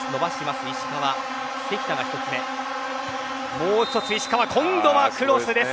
もう１つ石川今度はクロスです。